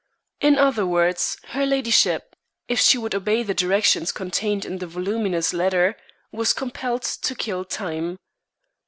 In other words, her ladyship, if she would obey the directions contained in the voluminous letter, was compelled to kill time.